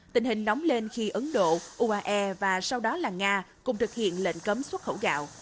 tình hình nóng lên khi ấn độ uae và sau đó là nga cùng thực hiện lệnh cấm xuất khẩu gạo